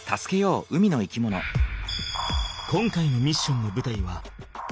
今回のミッションのぶたいは海。